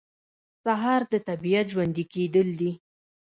سهار د طبیعت ژوندي کېدل دي.